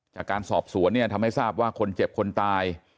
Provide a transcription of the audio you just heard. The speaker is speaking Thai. จากการสอบสวนเนี่ยทำให้ทราบว่าคนเจ็บคนตาย